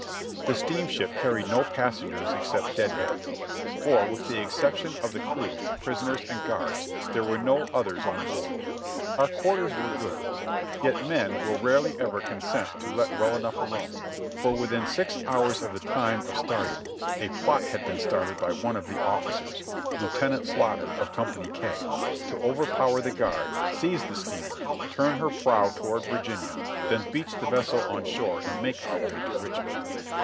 The steamship carried no passengers except "dead heads ;" for with the exception of the crew, prisoners and guards, there were none others on board. Our quarters were good, yet men will rarely ever consent to let well enough alone, for within six hours of the time of starting a plot had been started by one of the officers. Lieutenant Slaughter, of Company K, to overpower the guard, seize the steamer, turn her prow toward Virginia, then beach the vessel on shore and make our way to Richmond.